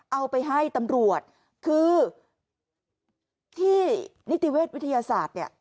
เอาไปให้ตำรวจคือที่นิติเวชวิทยาศาสตร์เนี่ย